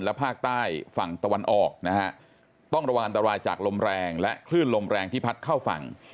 และภาคใต้ฝั่งตะวันออกนะฮะต้องระวังอันตรายจากลมแรงและคลื่นลมแรงที่พัดเข้าฝั่ง